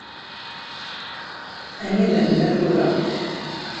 Anida i nella tura?